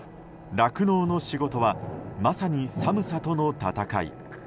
酪農の仕事はまさに寒さとの闘い。